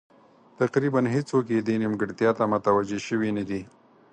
تقریبا هېڅوک یې دې نیمګړتیا ته متوجه شوي نه دي.